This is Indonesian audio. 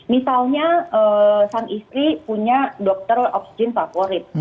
misalnya sang istri punya dokter oksigen favorit